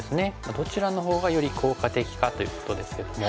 どちらのほうがより効果的かということですけども。